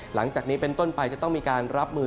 หลังจากนี้เป็นต้นไปจะต้องมีการรับมือ